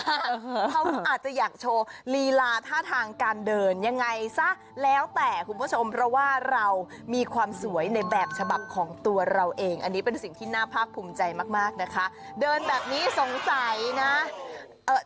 เขาอาจจะอยากโชว์ลีลาท่าทางการเดินยังไงซะแล้วแต่คุณผู้ชมเพราะว่าเรามีความสวยในแบบฉบับของตัวเราเองอันนี้เป็นสิ่งที่น่าภาคภูมิใจมากมากนะคะเดินแบบนี้สงสัยนะเอ่อ